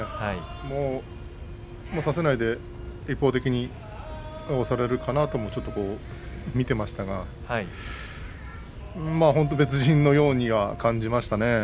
もう差せないで一方的に押されるかなとも見ていましたけれども本当に別人のようには感じましたね。